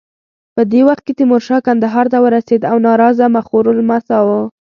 په دې وخت کې تیمورشاه کندهار ته ورسېد او ناراضه مخورو لمساوه.